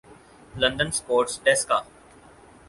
London sports ڈیسکا